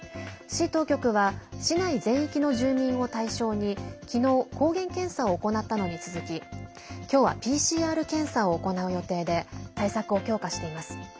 市当局は市内全域の住民を対象にきのう抗原検査を行ったのに続ききょうはＰＣＲ検査を行う予定で対策を強化しています。